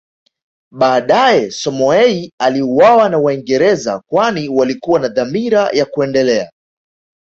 Baadae Samoei aliuawa na Waingereza kwani walikuwa na dhamira ya kuendelea